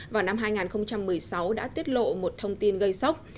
vào năm hai nghìn một mươi sáu đã tiết lộ một thông tin gây sốc